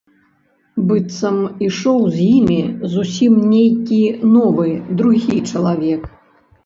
Быццам ішоў з імі зусім нейкі новы, другі чалавек.